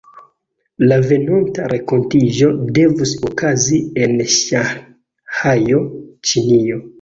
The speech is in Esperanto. La venonta renkontiĝo devus okazi en Ŝanhajo, Ĉinio.